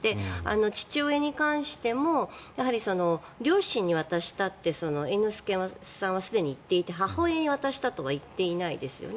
父親に関しても両親に渡したと、猿之助さんはすでに言っていて母親に渡したとは言っていないですよね。